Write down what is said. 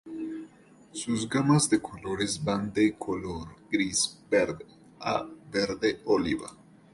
Sus gamas de colores van de color gris-verde a verde oliva.